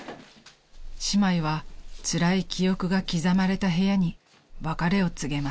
［姉妹はつらい記憶が刻まれた部屋に別れを告げます］